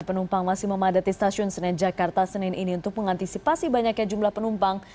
penumpang masih memadati stasiun senen jakarta senin ini untuk mengantisipasi banyaknya jumlah penumpang